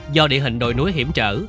do địa hình đồi núi hiểm trở